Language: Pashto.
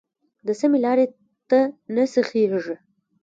د سمې لارې ته نه سیخېږي.